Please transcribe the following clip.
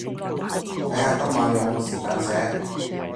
睇下今晚有冇時間寫